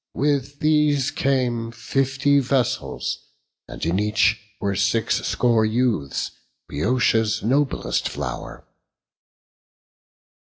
With these came fifty vessels; and in each Were six score youths, Bœotia's noblest flow'r.